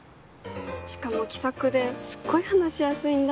しかも気さくですごい話しやすいんだ。